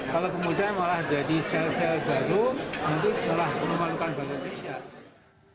kalau kemudian malah jadi sel sel baru itu malah memalukan bangsa indonesia